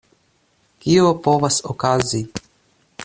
Kio povas okazi?